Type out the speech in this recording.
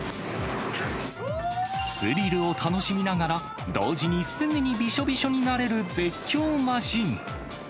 スリルを楽しみながら、同時にすぐにびしょびしょになれる絶叫マシン。